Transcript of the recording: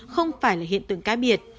không phải là hiện tượng cá biệt